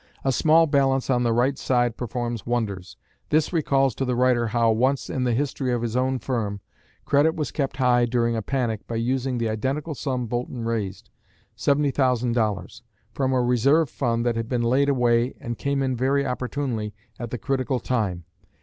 A small balance on the right side performs wonders. This recalls to the writer how, once in the history of his own firm, credit was kept high during a panic by using the identical sum Boulton raised, $70,000, from a reserve fund that had been laid away and came in very opportunely at the critical time.